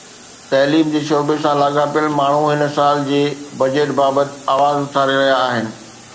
تعليم جي شعبي سان لاڳاپيل ماڻهو هن سال جي بجيٽ بابت آواز اٿاري رهيا آهن